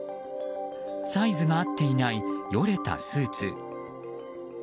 サイズが合っていないよれたスーツ。